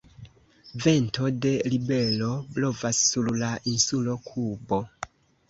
Vento de ribelo blovas sur la insulo Kubo.